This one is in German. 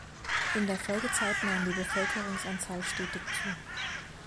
In der Folgezeit nahm die Bevölkerungsanzahl stetig zu.